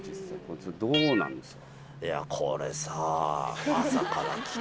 どうなんですか？